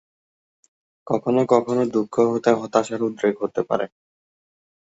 কখনও কখনও, দুঃখ হতে হতাশার উদ্রেক হতে পারে।